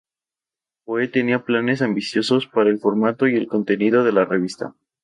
Poe tenía planes ambiciosos para el formato y el contenido de la revista.